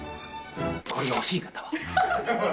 これが欲しい方は！